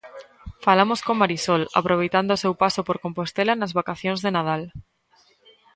Falamos con Marisol, aproveitando o seu paso por Compostela nas vacacións de Nadal.